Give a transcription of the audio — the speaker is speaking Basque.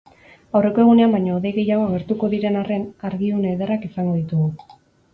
Aurreko egunean baino hodei gehiago agertuko diren arren, argiune ederrak izango ditugu.